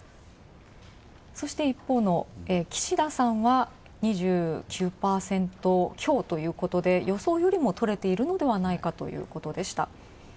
そして、一方の岸田さんは２９％強ということで予想よりも取れているのではないかということでした。